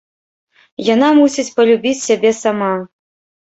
Яна мусіць палюбіць сябе сама.